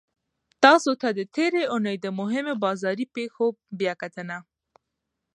تاسو ته د تیرې اونۍ د مهمو بازار پیښو بیاکتنه